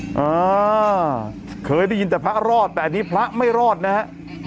อ่าเคยได้ยินแต่พระรอดแต่อันนี้พระไม่รอดนะฮะ